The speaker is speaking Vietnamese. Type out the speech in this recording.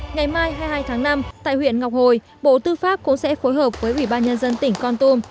ngày mai hai mươi hai tháng năm tại huyện ngọc hồi bộ tư pháp cũng sẽ phối hợp với ubnd tỉnh con tum